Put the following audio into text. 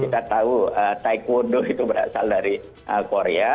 kita tahu taekwondo itu berasal dari korea